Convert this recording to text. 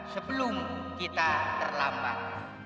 sebelum kita terlambat